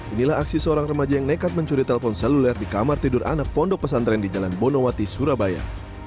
inilah aksi seorang remaja yang nekat mencuri telpon seluler di kamar tidur anak pondok pesantren di jalan bonowati surabaya